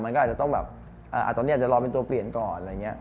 มันก็อาจจะต้องแบบตอนนี้อาจจะรอเป็นตัวเปลี่ยนก่อนอะไรอย่างนี้